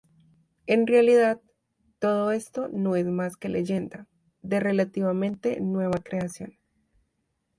En realidad, todo esto no es más que leyenda, de relativamente nueva creación.